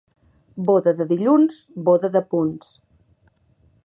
Boda de dilluns, boda de punts.